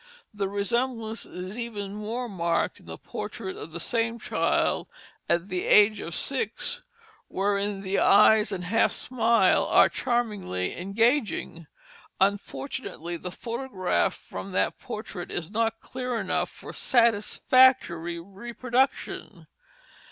The resemblance is even more marked in the portrait of the same child at the age of six, wherein the eyes and half smile are charmingly engaging; unfortunately the photograph from that portrait is not clear enough for satisfactory reproduction.